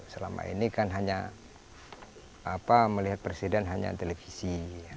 selama ini kan hanya melihat presiden hanya televisi